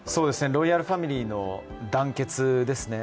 ロイヤル・ファミリーの団結ですね。